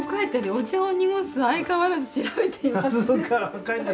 「『お茶を濁す』は相変わらず調べています」って。